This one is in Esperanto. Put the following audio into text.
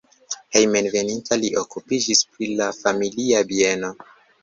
Hejmenveninta li okupiĝis pri la familia bieno.